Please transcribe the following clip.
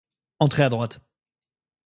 Entrez à droite.